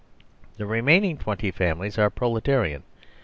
The remaining twenty families are Proletarian.